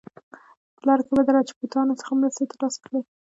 په لاره کې به د راجپوتانو څخه مرستې ترلاسه کړي.